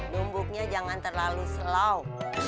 numbuknya jangan terlalu slow